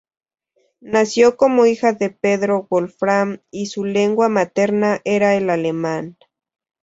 Nació como hija de Pedro Wolfram, y su lengua materna era el alemán.